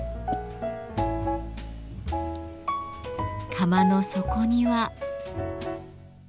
釜の底には。